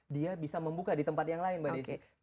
dia bisa membuka di tempat yang lain mbak desi